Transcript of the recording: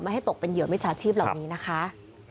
ไม่ให้ตกเป็นเหยื่อไม่ชัดชีพเหล่านี้นะคะ